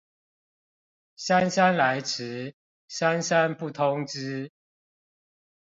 姍姍來遲，姍姍不通知